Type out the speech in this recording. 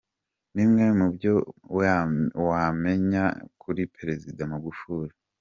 Bimwe mu byo wamenya kuri Perezida Magufuli.